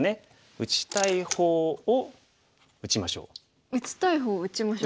「打ちたい方を打ちましょう」。